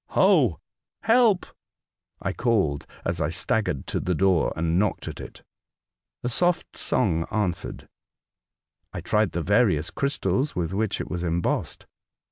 Ho! help!" I called, as I staggered to the door, and knocked at it. A soft song answered. I tried the various crystals with which it was embossed.